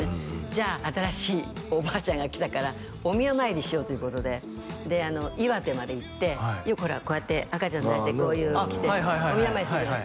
じゃあ新しいおばあちゃんが来たからお宮参りしようということで岩手まで行ってよくほらこうやって赤ちゃん抱いてこういうの着てお宮参りするじゃない？